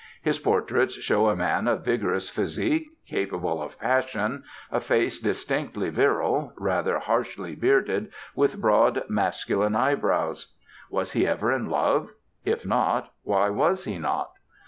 His portraits show a man of vigorous physique, capable of passion, a face distinctly virile, rather harshly bearded, with broad masculine eyebrows. Was he ever in love? If not, why was he not?